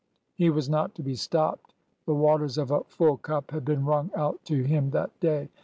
" He was not to be stopped. The waters of a full cup had been wrung out to him that day.